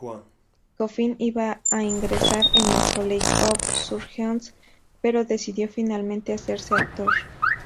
Coffin iba a ingresar en el College of Surgeons, pero decidió finalmente hacerse actor.